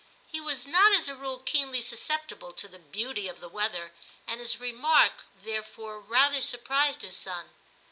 He was not as a rule keenly susceptible to the beauty of the weather, and his remark therefore rather surprised his son.